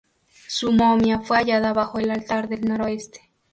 Su momia fue hallada bajo el altar del noroeste.